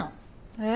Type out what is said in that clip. えっ？